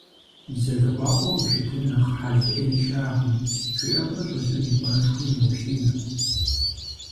Бзэ дыкъуакъуэу ущытын нэхъ хьэл Ӏей щыӀэкъым, – жиӀэурэ лӀыжьыр и къуэрылъхум еущиерт.